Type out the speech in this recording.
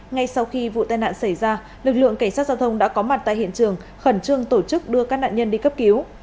ngay sau khi vụ tai nạn xảy ra lực lượng cảnh sát giao thông đã có mặt tại hiện trường khẩn trương tổ chức đưa các nạn nhân đi cấp cứu